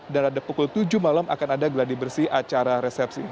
dan pada pukul tujuh malam akan ada geladi bersih acara resepsi